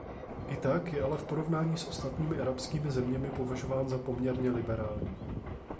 I tak je ale v porovnání s ostatními arabskými zeměmi považován za poměrně liberální.